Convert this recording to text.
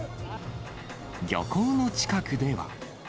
漁港の近くでは。